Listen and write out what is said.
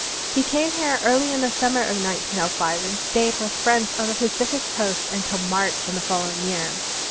He came here early in the stmimer of 1905 and stayed with friends on the Pacific coast until March in the following year.